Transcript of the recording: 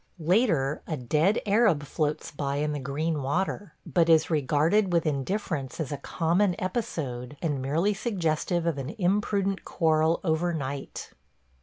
Later a dead Arab floats by in the green water, but is regarded with indifference as a common episode, and merely suggestive of an imprudent quarrel overnight.